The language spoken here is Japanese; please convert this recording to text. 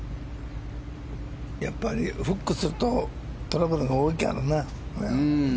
やっぱりフックするとトラブルが多いけどな。